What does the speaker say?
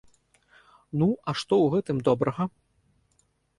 Ну, а што ў гэтым добрага?